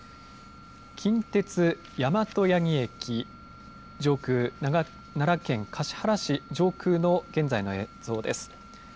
近鉄大和八木駅上空、奈良県橿原市上空の現在の映像です。